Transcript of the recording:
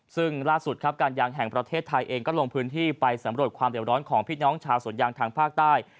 ซึ่งล่าสุดครับการยางแห่งประเทศไทยเองก็ลงพื้นที่ไปสำรวจความเดี่ยวร้อนของพี่น้องชาวสวนยางทางภาคใต้